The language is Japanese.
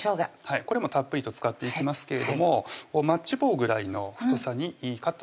これもたっぷりと使っていきますけれどもマッチ棒ぐらいの太さにカットしてます